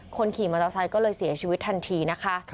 คนขี่มอเตอร์ไซค์ก็เลยเสียชีวิตทันทีนะคะ